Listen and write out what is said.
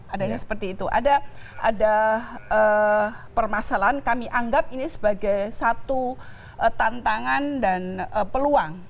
adanya seperti itu ada permasalahan kami anggap ini sebagai satu tantangan dan peluang